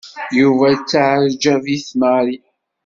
Yuba tettaɛǧab-it Mary.